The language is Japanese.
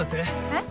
えっ？